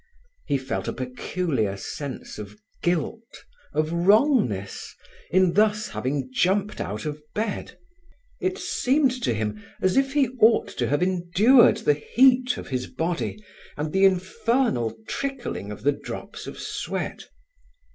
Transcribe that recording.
He felt a peculiar sense of guilt, of wrongness, in thus having jumped out of bed. It seemed to him as if he ought to have endured the heat of his body, and the infernal trickling of the drops of sweat.